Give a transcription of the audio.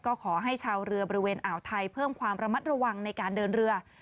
ก็ขอให้ชาวเรือบริเวณอ่าวไทยเพิ่มความระมัดระวังในการเดินเรือ